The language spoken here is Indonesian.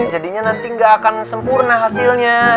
jadinya nanti gak akan sempurna hasilnya